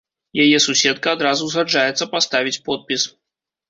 Яе суседка адразу згаджаецца паставіць подпіс.